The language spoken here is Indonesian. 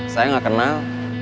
saya gak kenal